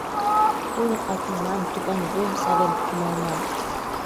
Тудым аклыман, тудлан вуй савен кумалман.